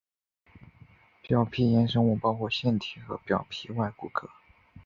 表皮衍生物包括腺体和表皮外骨骼。